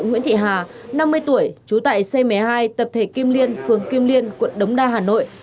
nguyễn thị hà năm mươi tuổi trú tại c một mươi hai tập thể kim liên phường kim liên quận đống đa hà nội